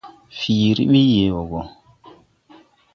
Fiiri ɓi yee wɔɔ gɔ.